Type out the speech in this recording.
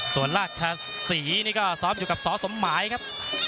ส่วนราชศรีนี่ก็ซ้อมอยู่กับสสมหมายครับ